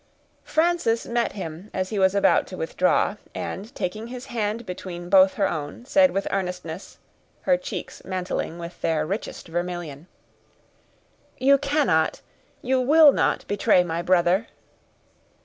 Frances met him as he was about to withdraw, and, taking his hand between both her own, said with earnestness, her cheeks mantling with their richest vermilion, "You cannot—you will not betray my brother."